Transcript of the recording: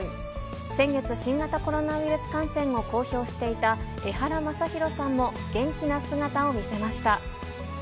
先月、新型コロナウイルス感染を公表していた、エハラマサヒロさんも、元気な姿を見せました。